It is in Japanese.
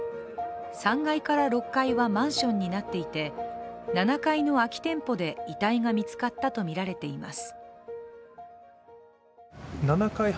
３階から６階はマンションになっていて７階の空き店舗で遺体が見つかったとみられています。